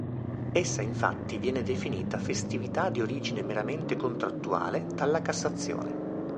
Essa infatti viene definita "Festività di origine meramente contrattuale" dalla Cassazione.